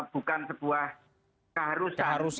bukan sebuah keharusan